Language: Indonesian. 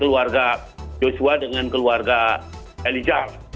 keluarga joshua dengan keluarga eliza